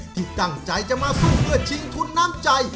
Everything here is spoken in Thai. ที่ตั้งใจจะมาสู้เพื่อชิงทุนน้ำใจ